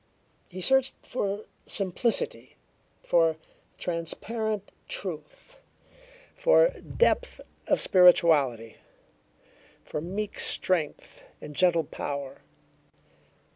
He searched for simplicity, for transparent truth, for depth of spirituality, for meek strength and gentle power.